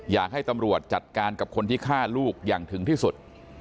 อยากให้ตำรวจจัดการกับคนที่ฆ่าลูกอย่างถึงที่สุด